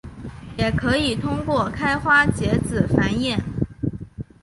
也可以通过开花结籽繁衍。